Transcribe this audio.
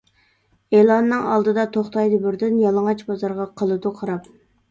ئېلاننىڭ ئالدىدا توختايدۇ بىردىن، يالىڭاچ بازارغا قالىدۇ قاراپ.